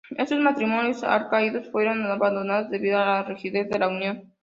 Estos matrimonios arcaicos fueron abandonados debido a la rigidez de la unión.